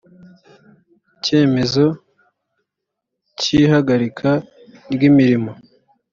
icyemzo cy’ihagarika ry’imirimo